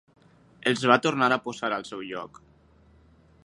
Els va tornar a posar al seu lloc